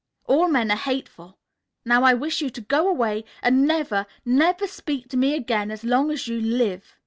All men are hateful! Now I wish you to go away, and never, never speak to me again as long as you live!"